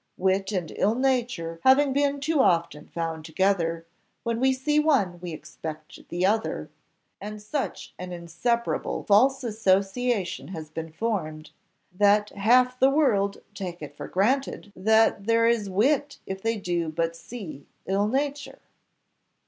Wit and ill nature having been too often found together, when we see one we expect the other; and such an inseparable false association has been formed, that half the world take it for granted that there is wit if they do but see ill nature."